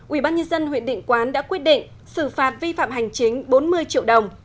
ubnd huyện định quán đã quyết định xử phạt vi phạm hành chính bốn mươi triệu đồng